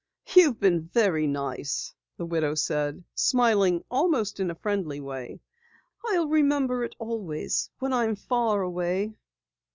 "You've been very nice," the widow said, smiling almost in a friendly way. "I'll remember it always when I am far away."